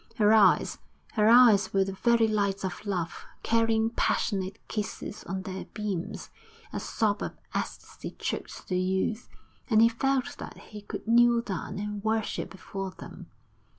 Her eyes, her eyes were the very lights of love, carrying passionate kisses on their beams. A sob of ecstasy choked the youth, and he felt that he could kneel down and worship before them.